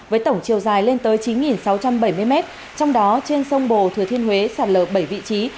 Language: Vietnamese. với tổng chiều dài lên tới chín sáu trăm bảy mươi m trong đó trên sông bồ thừa thiên huế sạt lở bảy vị trí